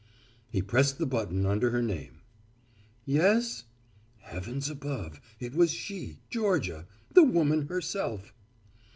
He pressed the button under her name. "Yes?" Heavens above, it was she, Georgia, the woman herself.